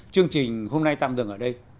chương trình hôm nay tạm dừng ở đây